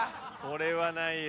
これはないよ。